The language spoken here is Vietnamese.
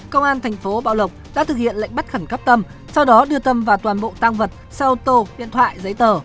công an thành phố bảo lộc đã thực hiện lệnh bắt khẩn cấp tâm sau đó đưa tâm vào toàn bộ tăng vật xe ô tô điện thoại giấy tờ